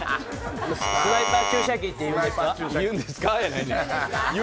スナイパー注射器っていうんですか？